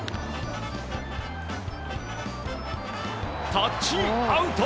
タッチアウト！